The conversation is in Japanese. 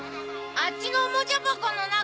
あっちのおもちゃ箱の中。